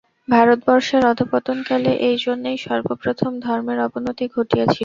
ভারতবর্ষের অধঃপতনকালে এইজন্যই সর্বপ্রথম ধর্মের অবনতি ঘটিয়াছিল।